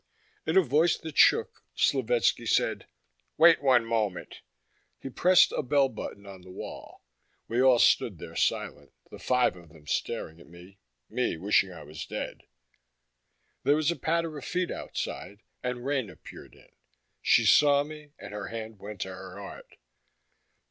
In a voice that shook, Slovetski said: "Wait one moment." He pressed a bell button on the wall; we all stood there silent, the five of them staring at me, me wishing I was dead. There was a patter of feet outside, and Rena peered in. She saw me and her hand went to her heart.